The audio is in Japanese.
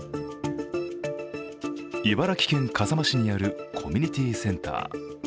茨城県笠間市にあるコミュニティーセンター。